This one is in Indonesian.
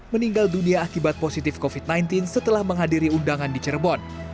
meninggal dunia akibat positif covid sembilan belas setelah menghadiri undangan di cirebon